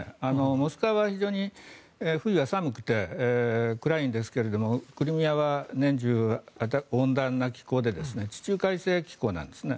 モスクワは非常に冬は寒くて暗いんですがクリミアは年中温暖な気候で地中海性気候なんですね。